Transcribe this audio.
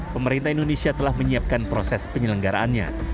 pemerintah indonesia telah menyiapkan proses penyelenggaraannya